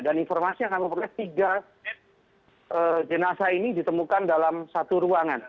dan informasi yang kami perlukan tiga jenazah ini ditemukan dalam satu ruangan